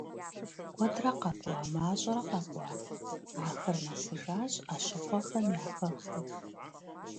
Куэдрэ къэкӀуа, мащӀэрэ къэкӀуа, ахэр нэсыжащ Ӏэщыхъуэхэм я хэкум.